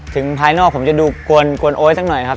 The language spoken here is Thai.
ภายนอกผมจะดูกวนโอ๊ยสักหน่อยครับ